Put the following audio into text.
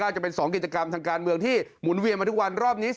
จะเป็น๒กิจกรรมทางการเมืองที่หมุนเวียนมาทุกวันรอบนี้